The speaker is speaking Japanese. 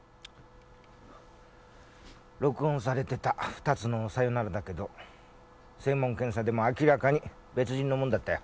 録音されてた２つの「さよなら」だけど声紋検査でも明らかに別人のもんだったよ。